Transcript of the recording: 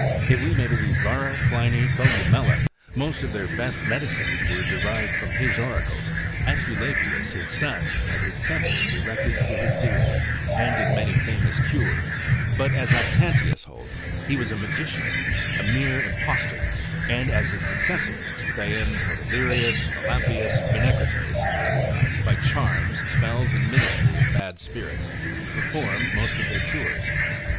If we may believe Varro, Pliny, Columella, most of their best medicines were derived from his oracles. Aesculapius his son had his temples erected to his deity, and did many famous cures; but, as Lactantius holds, he was a magician, a mere impostor, and as his successors, Phaon, Podalirius, Melampius, Menecrates, (another God), by charms, spells, and ministry of bad spirits, performed most of their cures.